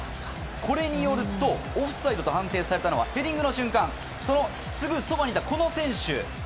これによるとオフサイドと判定されたのはヘディングの瞬間のすぐそばにいたこの選手。